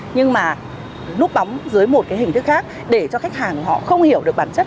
nhưng mà núp bóng dưới một cái hình thức khác để cho khách hàng họ không hiểu được bản chất